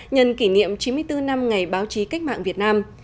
nhân kỷ niệm chín mươi bốn năm ngày báo chí cách mạng việt nam